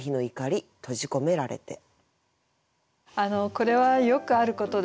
これはよくあることですね。